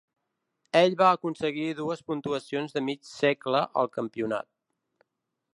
Ell va aconseguir dues puntuacions de mig segle al campionat.